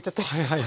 はい。